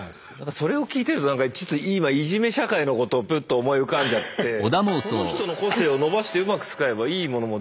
それを聞いてるとなんかちょっと今いじめ社会のことをぷっと思い浮かんじゃってこの人の個性を伸ばしてうまく使えばいいものもできるんじゃないかとか。